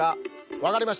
わかりました。